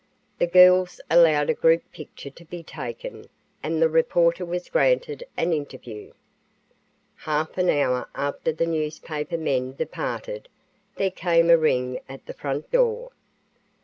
The girls allowed a group picture to be taken and the reporter was granted an interview. Half an hour after the newspaper men departed, there came a ring at the front door.